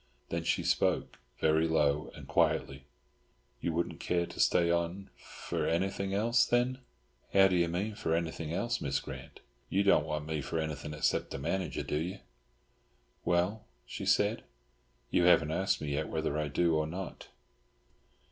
Then she spoke, very low and quietly. "You wouldn't care to stay on—for anything else, then?" "How do you mean for anything else, Miss Grant? You don't want me for anything except as manager, do you?" "Well," she said, "you haven't asked me yet whether I do or not!"